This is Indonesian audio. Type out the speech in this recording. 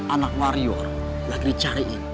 anak warior lagi dicariin